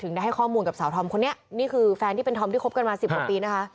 ถึงได้เข้ามูลกับสาวทอมคนนี้นี่คือแฟนที่เป็นทอมที่ชอบกันมา๑๐ปีนะคะ